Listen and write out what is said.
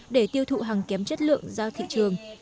để tiêu thụ hàng kém chất lượng ra thị trường